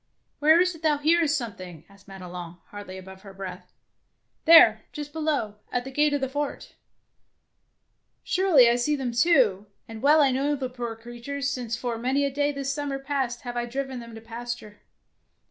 " Where is it that thou hearest some thing T' asked Madelon, hardly above her breath. "There, just below, at the gate of the fort.'^ " Surely I see them too, and well I know the poor creatures, since for many a day this summer past have I driven them to pasture.